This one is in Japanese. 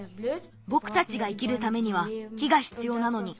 ぼくたちが生きるためには木がひつようなのに。